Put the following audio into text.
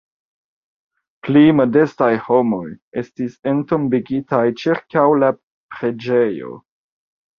Pli modestaj homoj estis entombigitaj ĉirkaŭ la preĝejo.